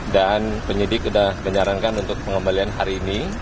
dan penyidik sudah menyarankan untuk pengembalian hari ini